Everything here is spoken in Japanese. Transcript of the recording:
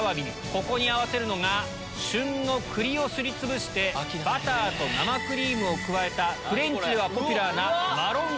ここに合わせるのが旬の栗をすりつぶしてバターと生クリームを加えたフレンチではポピュラーな。